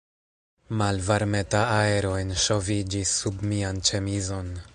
Malvarmeta aero enŝoviĝis sub mian ĉemizon.